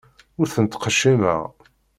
Ur ten-ttqeccimeɣ.